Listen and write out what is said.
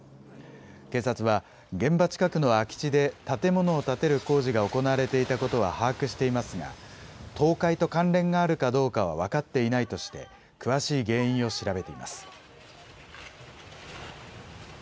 警察は、現場近くの空き地で建物を建てる工事が行われていたことは把握していますが、倒壊と関連があるかどうかは分かっていないとして、詳しい原因を調べています。